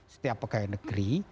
setiap pegawai negeri